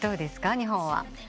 日本は。